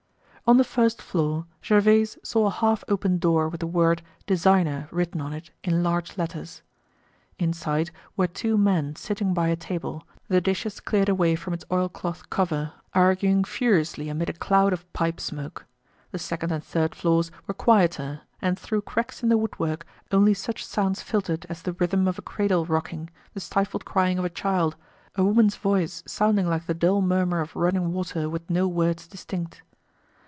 On the first floor Gervaise saw a half opened door with the word "Designer" written on it in large letters. Inside were two men sitting by a table, the dishes cleared away from its oilcloth cover, arguing furiously amid a cloud of pipe smoke. The second and third floors were quieter, and through cracks in the woodwork only such sounds filtered as the rhythm of a cradle rocking, the stifled crying of a child, a woman's voice sounding like the dull murmur of running water with no words distinct.